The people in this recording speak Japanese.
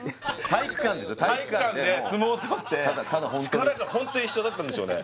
体育館で相撲を取って力がホント一緒だったんですよね